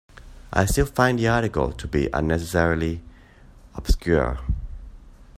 I still find the article to be unnecessarily obscure.